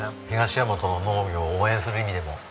東大和の農業を応援する意味でも。